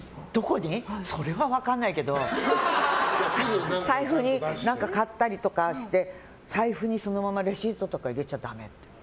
それは分からないけど買ったりして財布にそのままレシートとか入れちゃダメって。